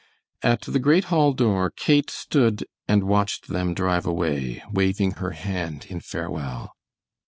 At the great hall door, Kate stood and watched them drive away, waving her hand in farewell.